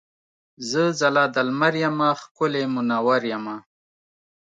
زه ځلا د لمر یمه ښکلی مونور یمه.